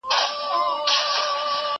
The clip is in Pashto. زه به سبا د نوي لغتونو يادونه وکړم،